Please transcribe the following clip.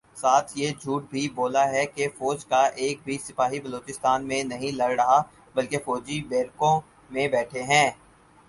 ساتھ یہ جھوٹ بھی بولا ہے کہ فوج کا ایک بھی سپاہی بلوچستان میں نہیں لڑ رہا بلکہ فوجی بیرکوں میں بیٹھے ہیں